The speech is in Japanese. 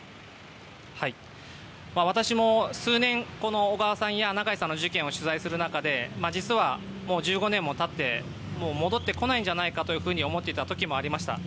私も数年小川さんや長井さんの事件を取材する中で実はもう１５年も経って戻ってこないんじゃないかというふうに思っていた時もありました。